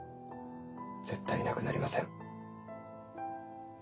絶対いなくなりません。